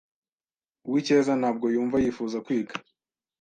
Uwicyeza ntabwo yumva yifuza kwiga.